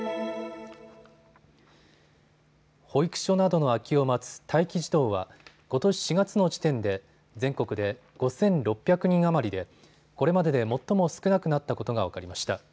保育所などの空きを待つ待機児童は、ことし４月の時点で全国で５６００人余りでこれまでで最も少なくなったことが分かりました。